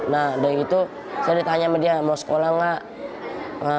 nah dari itu saya ditanya sama dia mau sekolah nggak